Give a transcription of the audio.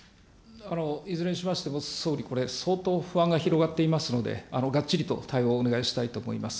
いずれにしましても総理、これ、相当不安が広がっていますので、がっちりと対応をお願いしたいと思います。